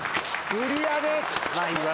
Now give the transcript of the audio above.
クリアです。